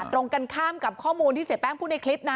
ตรงกันข้ามกับข้อมูลที่เสียแป้งพูดในคลิปนะ